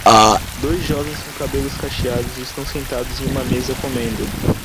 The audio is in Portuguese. Dois jovens com cabelos cacheados estão sentados em uma mesa comendo